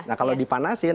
nah kalau dipanasin